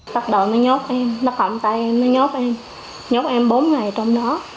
bắt đầu nó nhốt em nó cầm tay em nó nhốt em nhốt em bốn ngày trong đó